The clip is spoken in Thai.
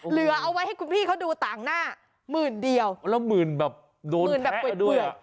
เหลือเอาไว้ให้คุณพี่เขาดูต่างหน้าหมื่นเดียวแล้วหมื่นแบบโดนหมื่นแบบไปด้วย